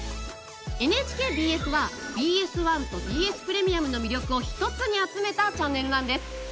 ＮＨＫＢＳはＢＳ１とＢＳプレミアムの魅力を一つに集めたチャンネルなんです。